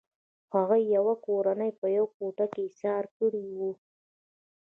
هغوی یوه کورنۍ په یوه کوټه کې ایساره کړې وه